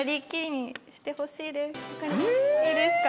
いいですか？